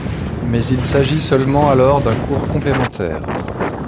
Mais il s'agit seulement alors d'un cours complémentaire.